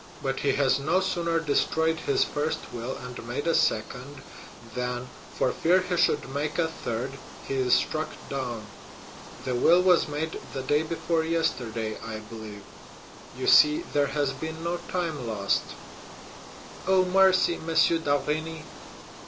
But he has no sooner destroyed his first will and made a second, than, for fear he should make a third, he is struck down. The will was made the day before yesterday, I believe; you see there has been no time lost." "Oh, mercy, M. d'Avrigny!"